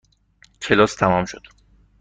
کلاس تمام شد.